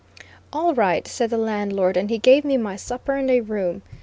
"All right," said the landlord, and he gave me my supper and a room.